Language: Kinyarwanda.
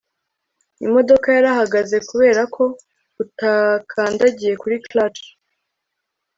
imodoka yarahagaze kubera ko utakandagiye kuri clutch